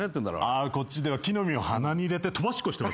あこっちでは木の実を鼻に入れて飛ばしっこしてますね。